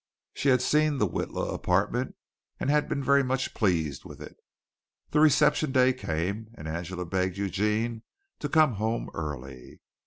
She had seen the Witla apartment, and had been very much pleased with it. The reception day came and Angela begged Eugene to come home early.